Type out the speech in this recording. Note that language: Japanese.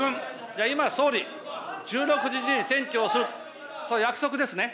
じゃあ今、総理、１６日に選挙をする、それ約束ですね。